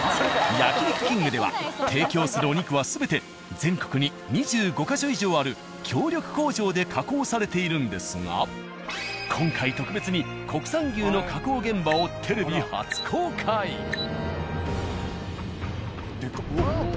「焼肉きんぐ」では提供するお肉は全て全国に２５ヵ所以上ある協力工場で加工されているんですが今回特別に国産牛のデカッ。